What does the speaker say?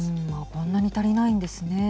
こんなに足りないんですね。